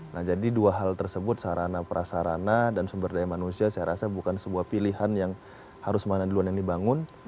nah jadi dua hal tersebut sarana prasarana dan sumber daya manusia saya rasa bukan sebuah pilihan yang harus mana duluan yang dibangun